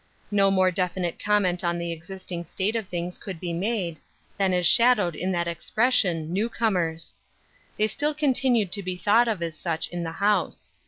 No more definite comment on the existing state of things could be made, than is shadowed in that expression, " New comers." They still continued to be thought of as such in the house.